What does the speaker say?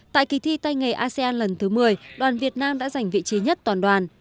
tại kỳ thi tay nghề asean lần thứ một mươi đoàn việt nam đã giành vị trí nhất toàn đoàn